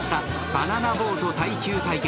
バナナボート耐久対決。